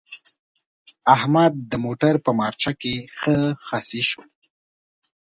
احمد د موټر په مارچه کې ښه خصي شو.